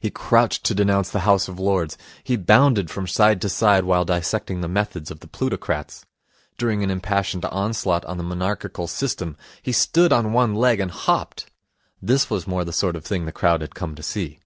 He crouched to denounce the House of Lords. He bounded from side to side while dissecting the methods of the plutocrats. During an impassioned onslaught on the monarchical system he stood on one leg and hopped. This was more the sort of thing the crowd had come to see.